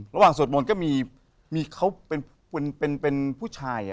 ระหว่างสวดมนต์ก็มีเค้าเป็นผู้ชาย